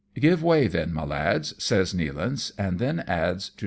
" Give way then, my lads," says Nealance, and then adds to.